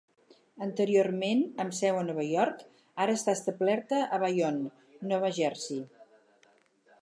Anteriorment amb seu a Nova York, ara està establerta a Bayonne, Nova Jersey.